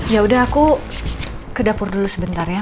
yaudah aku ke dapur dulu sebentar ya